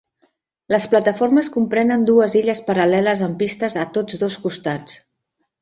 Les plataformes comprenen dues illes paral·leles amb pistes a tots dos costats.